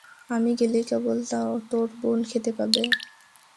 আমি গেলেই কেবল তোর বোন খেতে পাবে।